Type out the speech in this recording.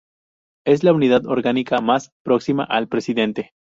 Es la unidad orgánica más próxima al Presidente.